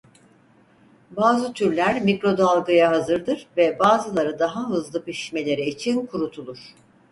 Bazı türler mikrodalgaya hazırdır ve bazıları daha hızlı pişmeleri için kurutulur.